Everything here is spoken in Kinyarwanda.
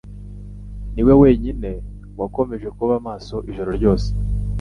niwe wenyine wakomeje kuba maso ijoro ryose.